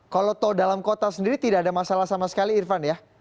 kalau tol dalam kota sendiri tidak ada masalah sama sekali irfan ya